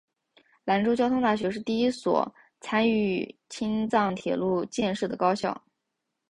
兰州交通大学是第一所参与青藏铁路建设的高校。